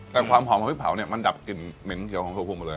แต่ความหอมของพริกเผาเนี่ยมันดับกลิ่นเหม็นเขียวของตัวภูมิมาเลย